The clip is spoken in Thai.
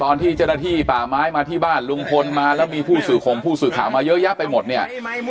ตอนที่เจ้าหน้าที่ป่าไม้มาที่บ้านลุงพลมาแล้วมีผู้สื่อของผู้สื่อข่าวมาเยอะแยะไปหมดเนี่ย